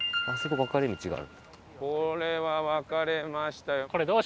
これは分かれましたよ。